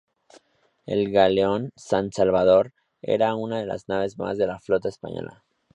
El galeón "San Salvador" era una de las naves más de la flota española.